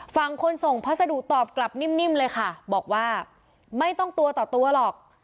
ฝั่งคนส่งพัสดุตอบกลับนิ่มเลยค่ะบอกว่าไม่ต้องตัวต่อตัวหรอก